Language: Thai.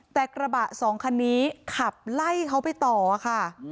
แต่กระบะสองคันนี้ขับไล่เขาไปต่อค่ะ